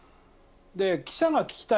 記者が聞きたい